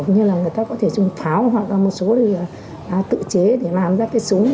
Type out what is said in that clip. như là người ta có thể dùng pháo hoặc là một số tự chế để làm ra cái súng